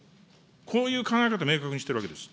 こういう考え方明確にしてるわけです。